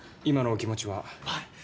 今のお気持ちは？おい！